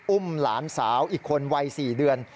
อุ้มหลานสาวอีกคนวัย๔เดือน